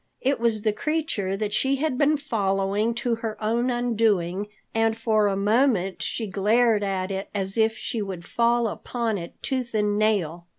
It was the creature that she had been following to her own undoing, and for a moment she glared at it as if she would fall upon it tooth and nail.